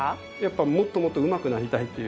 もっともっとうまくなりたいっていう。